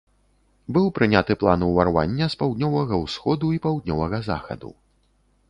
Быў прыняты план ўварвання з паўднёвага ўсходу і паўднёвага захаду.